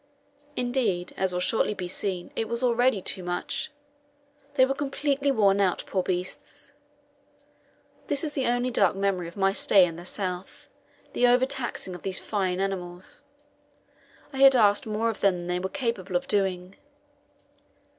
Indeed, as will shortly be seen, it was already too much. They were completely worn out, poor beasts. This is the only dark memory of my stay in the South the over taxing of these fine animals I had asked more of them than they were capable of doing.